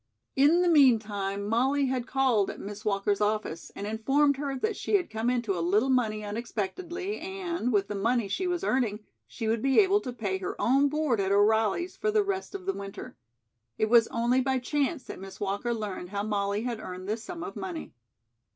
In the meantime Molly had called at Miss Walker's office and informed her that she had come into a little money unexpectedly and, with the money she was earning, she would be able to pay her own board at O'Reilly's for the rest of the winter. It was only by chance that Miss Walker learned how Molly had earned this sum of money.